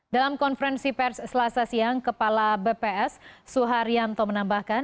dalam konferensi pers selasa siang kepala bps suharyanto menambahkan